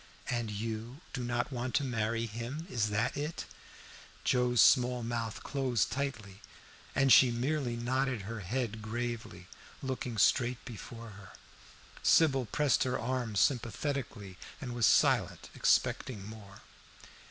"And you do not want to marry him? Is that it?" Joe's small mouth closed tightly, and she merely nodded her head gravely, looking straight before her. Sybil pressed her arm sympathetically and was silent, expecting more.